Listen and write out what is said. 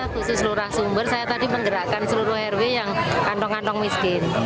khusus lurah sumber saya tadi menggerakkan seluruh rw yang kantong kantong miskin